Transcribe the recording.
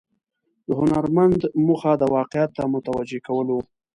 د هنرمند موخه د واقعیت ته متوجه کول و.